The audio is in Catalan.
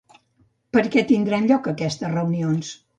Per què tindran lloc aquestes reunions?